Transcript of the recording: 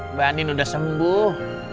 mbak andin udah sembuh